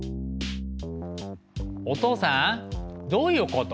おとうさんどういうこと？